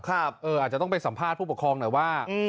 อาจจะต้องไปสัมภาษณ์ผู้ปกครองหน่อยว่า